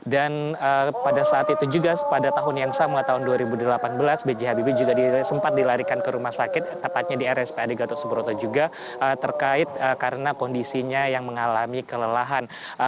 dan pada saat itu juga pada tahun yang sama tahun dua ribu delapan belas bj habibi juga sempat dilarikan ke rumah sakit tepatnya di rspa di gatot suburoto juga terkait karena kondisinya yang mengalami kelelahan